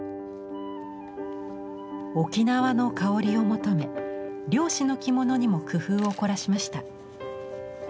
沖縄のかおりを求め漁師の着物にも工夫を凝らしました。